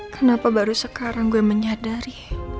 kenapa baru sekarang gue menyadari